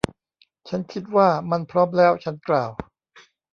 ฉันคิดว่ามันพร้อมแล้ว. ฉันกล่าว